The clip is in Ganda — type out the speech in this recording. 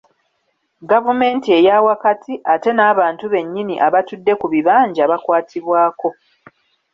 Gavumenti eya wakati ate n’abantu bennyini abatudde ku bibanja bakwatibwako.